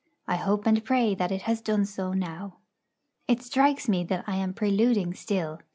I hope and pray that it has done so now. It strikes me that I am preluding still.